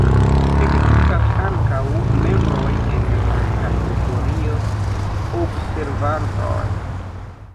Ekzistas ankaŭ membroj en la kategorio 'observantoj'.